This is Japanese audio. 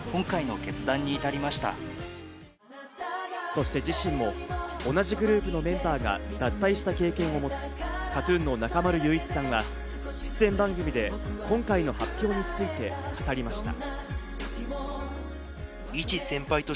そして自身も同じグループのメンバーが脱退した経験を持つＫＡＴ−ＴＵＮの中丸雄一さんが出演番組で、今回の発表について語りました。